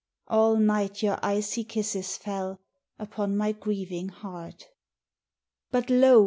All night your icy kisses fell Upon my grieving heart. 87 THE DREAM But, lo